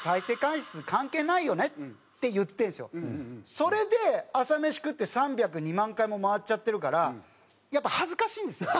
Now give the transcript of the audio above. それで朝飯食って３０２万回も回っちゃってるからやっぱ恥ずかしいんですよね。